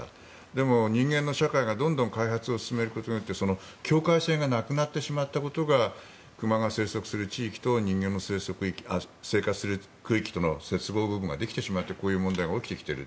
でも、人間の社会がどんどん開発を進めることによって境界線がなくなってしまったことが熊の生息する地域と人間の生活する区域との接合部分ができてしまってこういう問題が起きてきている。